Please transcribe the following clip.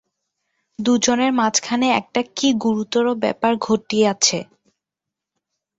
দুজনের মাঝখানে একটা কী গুরুতর ব্যাপার ঘটিয়াছে।